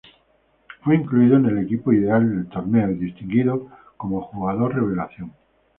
Fue incluido en el equipo ideal del torneo y distinguido como jugador revelación.